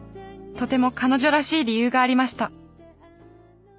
とても彼女らしい理由がありました